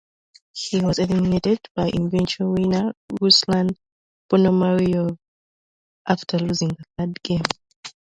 He was eliminated by eventual winner Ruslan Ponomariov after losing the third game.